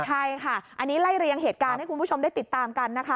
ใช่ค่ะอันนี้ไล่เรียงเหตุการณ์ให้คุณผู้ชมได้ติดตามกันนะคะ